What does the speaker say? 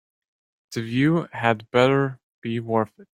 The view had better be worth it.